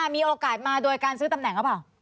มีโอกาสมาโดยการซื้อตำแหน่งหรือเปล่า